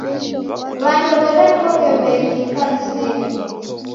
W'andu w'erekoghe w'engi ikanisenyi.